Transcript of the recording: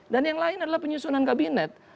yang lain adalah penyusunan kabinet